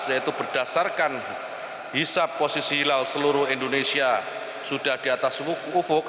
yaitu berdasarkan hisap posisi hilal seluruh indonesia sudah di atas ufuk